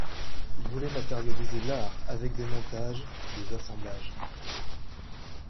Il voulait matérialiser l'art avec des montages, des assemblages.